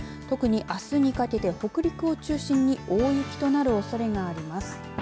特に、あすにかけて北陸を中心に大雪となるおそれがあります。